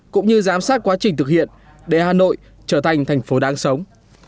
cũng như giám sát quá trình thực hiện để hà nội trở thành thành phố đáng sống